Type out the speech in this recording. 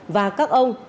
và các ông